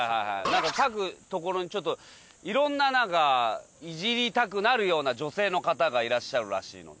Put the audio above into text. なんか各所にちょっと色んななんかイジりたくなるような女性の方がいらっしゃるらしいの。